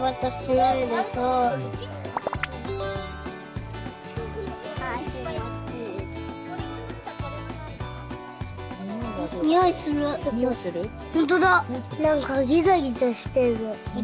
なんかギザギザしてるよ。